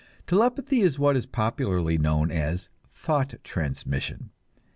Telepathy is what is popularly known as "thought transmission."